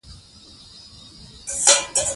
د اوبو سرچینې د افغانستان د فرهنګي فستیوالونو برخه ده.